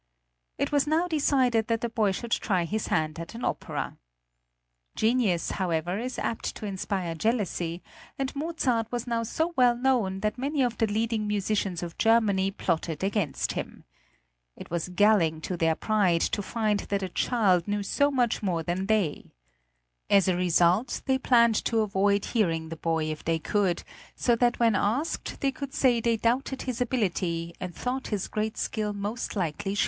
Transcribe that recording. It was now decided that the boy should try his hand at an opera. Genius, however, is apt to inspire jealousy, and Mozart was now so well known that many of the leading musicians of Germany plotted against him. It was galling to their pride to find that a child knew so much more than they. As a result they planned to avoid hearing the boy if they could, so that when asked they could say they doubted his ability, and thought his great skill most likely sham.